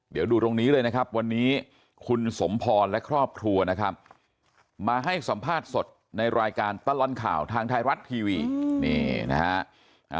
เดี๋ยวดูตรงนี้เลยนะครับวันนี้คุณสมพรและครอบครัวนะครับมาให้สัมภาษณ์สดในรายการตลอดข่าวทางไทยรัฐทีวีนี่นะฮะ